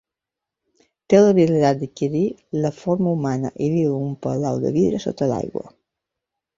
Té l'habilitat d'adquirir la forma humana i viu en un palau de vidre sota l'aigua.